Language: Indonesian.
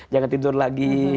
jangan tidur lagi